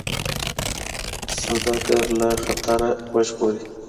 سوداګري له خطره وژغوري.